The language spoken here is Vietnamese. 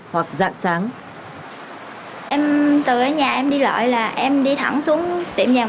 hoặc dạng sáng